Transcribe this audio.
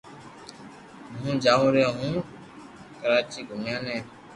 ھون جاوُ رھيو ھون ڪراچو گومياني